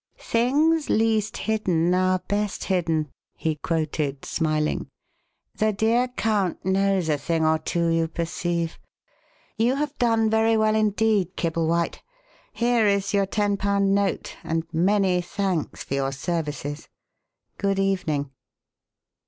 "'Things least hidden are best hidden,'" he quoted, smiling. "The dear count knows a thing or two, you perceive. You have done very well indeed, Kibblewhite. Here is your ten pound note and many thanks for your services. Good evening."